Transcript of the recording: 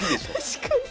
確かに。